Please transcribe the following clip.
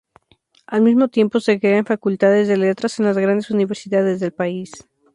Al mismo tiempo se crean Facultades de Letras en las grandes universidades del país.